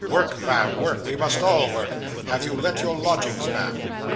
Work, ma'am, work; we must all work. Have you let your lodgings, ma'am?